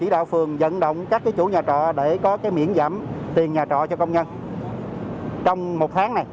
và phường dẫn động các chủ nhà trọ để có miễn giảm tiền nhà trọ cho công nhân trong một tháng này